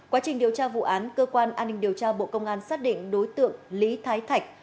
quá trình điều tra vụ án cơ quan an ninh điều tra bộ công an xác định đối tượng lý thái thạch